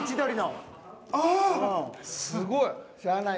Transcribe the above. すごい。